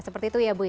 seperti itu ya bu ya